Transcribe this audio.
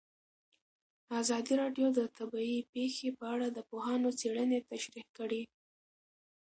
ازادي راډیو د طبیعي پېښې په اړه د پوهانو څېړنې تشریح کړې.